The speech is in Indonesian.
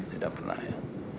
tidak pernah ya